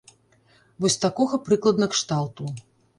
Вось такога прыкладна кшталту.